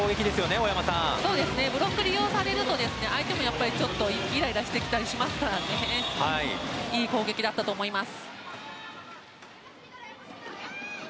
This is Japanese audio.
ブロックを利用されると相手もイライラするのでいい攻撃だったと思います。